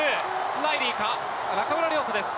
ライリーか、中村亮土です。